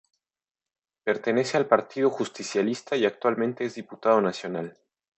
Pertenece al Partido Justicialista y actualmente es Diputado Nacional.